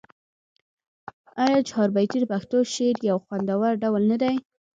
آیا چهاربیتې د پښتو شعر یو خوندور ډول نه دی؟